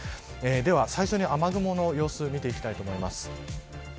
では最初に雨雲の様子を見ていきたいと思います。